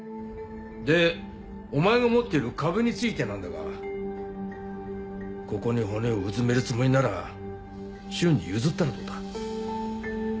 でお前が持ってる株についてなんだがここに骨をうずめるつもりなら瞬に譲ったらどうだ？